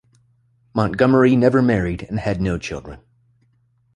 Montgomery never married, and had no children.